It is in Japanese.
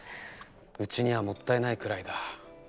うちにはもったいないくらいだ。